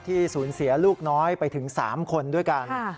สูญเสียลูกน้อยไปถึง๓คนด้วยกัน